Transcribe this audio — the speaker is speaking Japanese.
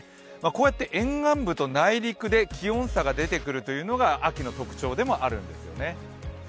こうやって沿岸部と内陸で気温差が出てくるというのが秋の特徴でもあるんですよね。